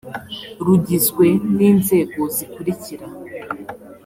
rugizwe n’inzego zikurikira